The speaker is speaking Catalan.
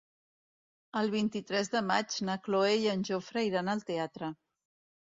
El vint-i-tres de maig na Cloè i en Jofre iran al teatre.